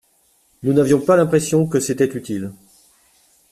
Nous n’avions pas l’impression que c’était utile.